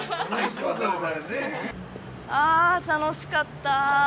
あ楽しかった。